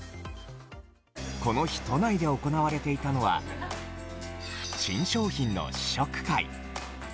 この日都内で行われていたのは新商品の試食会。